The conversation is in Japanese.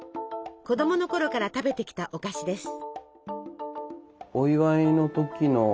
子どものころから食べてきたお菓子です。